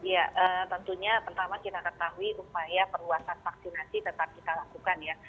ya tentunya pertama kita ketahui upaya perluasan vaksinasi tetap kita lakukan ya